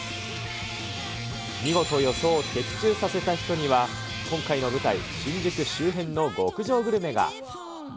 見事予想を的中させた人には、今回の舞台、新宿周辺の極上グルメが。